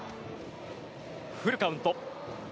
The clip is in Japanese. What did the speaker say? フルカウント。